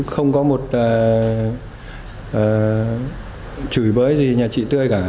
không có một chửi bới gì nhà chị tươi cả